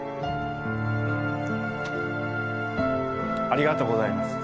ありがとうございます。